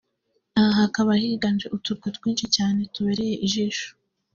aha hakaba higanje uturwa twinshi cyane tubereye ijisho